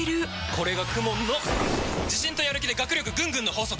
これがＫＵＭＯＮの自信とやる気で学力ぐんぐんの法則！